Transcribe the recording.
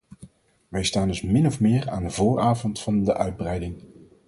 Wij staan dus min of meer aan de vooravond van de uitbreiding.